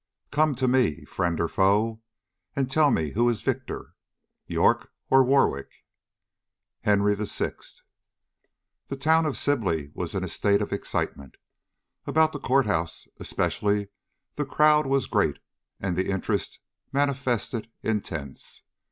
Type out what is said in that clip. Come to me, friend or foe, And tell me who is victor, York or Warwick. HENRY VI. THE town of Sibley was in a state of excitement. About the court house especially the crowd was great and the interest manifested intense.